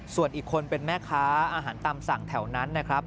ส่วนอีกคนเป็นแม่ค้าอาหารตามสั่งแถวนั้นนะครับ